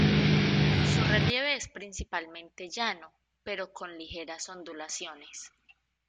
Su relieve es principalmente llano, pero con ligeras ondulaciones.